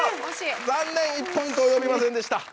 残念１ポイント及びませんでした。